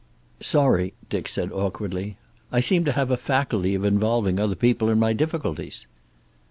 "Sorry," Dick said awkwardly, "I seem to have a faculty of involving other people in my difficulties."